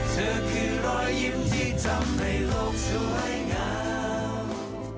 เธอคือรอยยิ้มที่ทำให้โลกสวยงาม